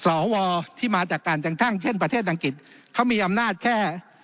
สวที่มาจากการแต่งตั้งเช่นประเทศอังกฤษเขามีอำนาจแค่